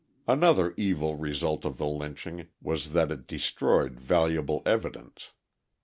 Another evil result of the lynching was that it destroyed valuable evidence.